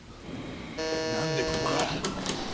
なんでここが？